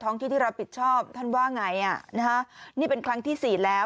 ที่ที่รับผิดชอบท่านว่าไงอ่ะนะฮะนี่เป็นครั้งที่สี่แล้ว